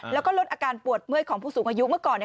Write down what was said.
แล้วก็ลดอาการปวดเมื่อยของผู้สูงอายุเมื่อก่อน